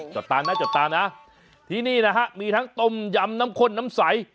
จอดตานะที่นี่มีทั้งต้มยำน้ำข้นน้ำใส